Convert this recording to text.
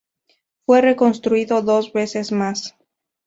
Fue reconstruido dos veces más.